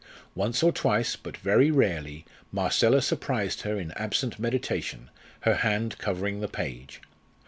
Once or twice, but very rarely, Marcella surprised her in absent meditation, her hand covering the page.